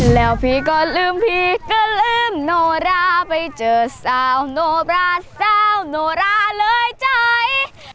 แล้วพี่ก็ลืมพี่ก็ลืมโนราไปเจอสาวโนบราสาวโนราเลยใจ